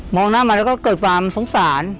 หน้ามาแล้วก็เกิดความสงสาร